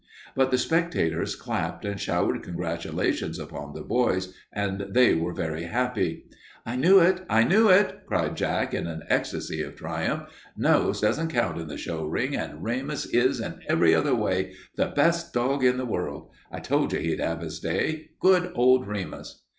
But the spectators clapped and showered congratulations upon the boys, and they were very happy. "I knew it, I knew it!" cried Jack in an ecstasy of triumph. "Nose doesn't count in the show ring, and Remus is, in every other way, the best dog in the world. I told you he'd have his day. Good old Remus!"